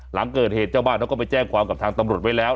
หลังเกิดเหตุเจ้าบ้านเขาก็ไปแจ้งความกับทางตำรวจไว้แล้ว